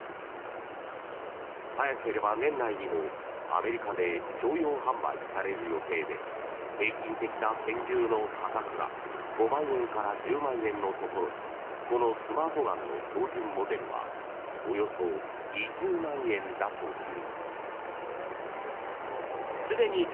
早ければ年内にもアメリカで商用販売される予定で平均的な拳銃の価格が５万円から１０万円のところこのスマートガンの標準モデルはおよそ２０万円だという。